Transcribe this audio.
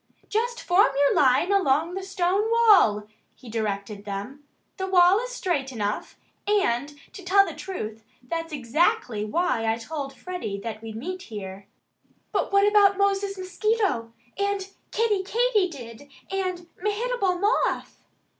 "Just form your line along the stone wall" he directed them. "The wall is straight enough. And to tell the truth, that's exactly why I told Freddie that we'd meet here." "But what about Moses Mosquito and Kiddie Katydid and Mehitable Moth?"